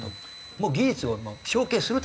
もう技術を承継するために。